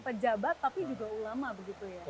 pejabat tapi juga ulama begitu ya